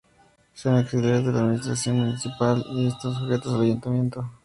Son auxiliares de la administración municipal y están sujetos al ayuntamiento.